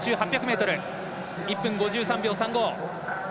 １分５３秒３５。